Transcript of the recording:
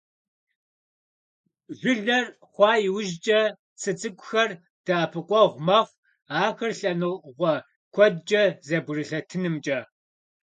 Жылэр хъуа иужькӀэ цы цӀыкӀухэр дэӀэпыкъуэгъу мэхъу ахэр лъэныкъуэ куэдкӀэ зэбгрылъэтынымкӀэ.